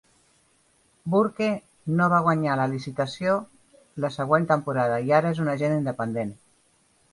Burke no va guanyar la licitació la següent temporada i ara és un agent independent.